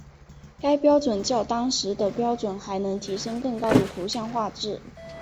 该标准较当时的标准能提升更高的图像画质。